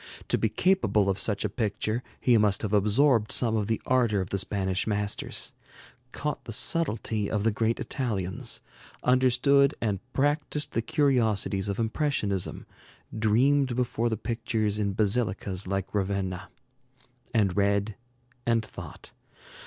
To be capable of such a picture, he must have absorbed some of the ardor of the Spanish masters, caught the subtlety of the great Italians, understood and practiced the curiosities of impressionism, dreamed before the pictures in basilicas like Ravenna, and read and thought.